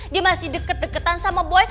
dia masih deket deketan sama boy